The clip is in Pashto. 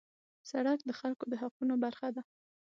سړک د خلکو د حقونو برخه ده.